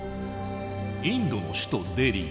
インドの首都デリー。